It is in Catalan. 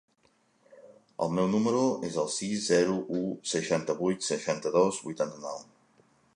El meu número es el sis, zero, u, seixanta-vuit, seixanta-dos, vuitanta-nou.